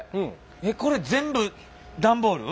えっこれ全部段ボール？